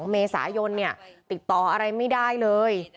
๒เมษายนติดต่ออะไรไม่ได้เลย